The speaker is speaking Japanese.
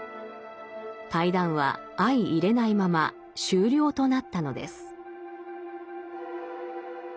対談は相いれないまま終了となったのです。